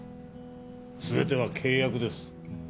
すべては契約です。